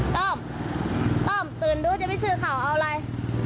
โต้มตื่นดูจะพิสูจน์ข่าวเอาอะไร